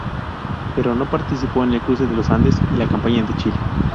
Pero no participó en el Cruce de los Andes y la campaña de Chile.